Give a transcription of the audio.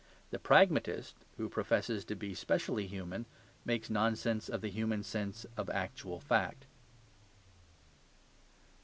The pragmatist, who professes to be specially human, makes nonsense of the human sense of actual fact.